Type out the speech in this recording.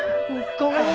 ごめんね。